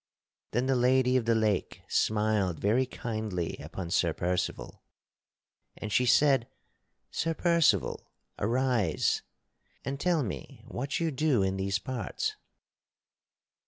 Then the Lady of the Lake smiled very kindly upon Sir Percival, and she said: "Sir Percival, arise, and tell me what you do in these parts?"